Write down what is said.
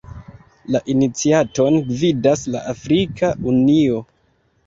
La iniciaton gvidas la Afrika Unio.